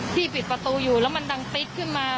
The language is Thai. ปิดประตูอยู่แล้วมันดังติ๊กขึ้นมา